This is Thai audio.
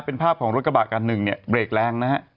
เป็นภาพของรถกระบะกันหนึ่งเร่งแรงนะฮะ